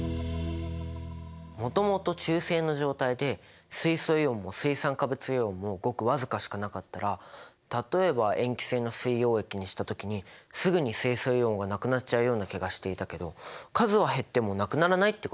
もともと中性の状態で水素イオンも水酸化物イオンもごく僅かしかなかったら例えば塩基性の水溶液にした時にすぐに水素イオンがなくなっちゃうような気がしていたけど数は減ってもなくならないってことなんだね。